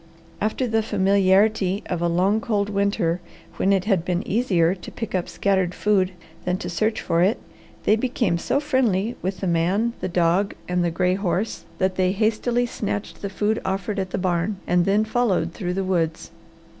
After the familiarity of a long, cold winter, when it had been easier to pick up scattered food than to search for it, they became so friendly with the man, the dog, and the gray horse that they hastily snatched the food offered at the barn and then followed through the woods.